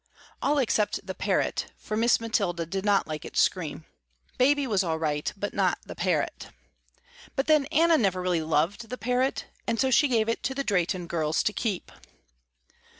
All except the parrot, for Miss Mathilda did not like its scream. Baby was all right but not the parrot. But then Anna never really loved the parrot, and so she gave it to the Drehten girls to keep.